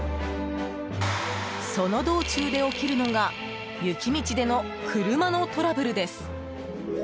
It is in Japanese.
その道中で起きるのが雪道での車のトラブルです。